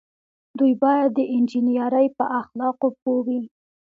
دوی باید د انجنیری په اخلاقو پوه وي.